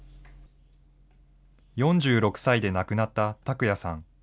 ４６歳で亡くなった琢弥さん。